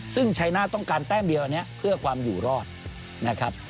ซึ่งชัยหน้าต้องการแต้มเดียวอันนี้เพื่อความอยู่รอดนะครับ